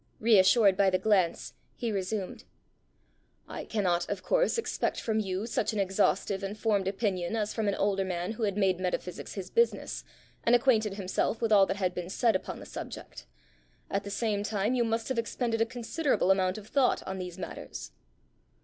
Re assured by the glance, he resumed. "I cannot, of course, expect from you such an exhaustive and formed opinion as from an older man who had made metaphysics his business, and acquainted himself with all that had been said upon the subject; at the same time you must have expended a considerable amount of thought on these matters!"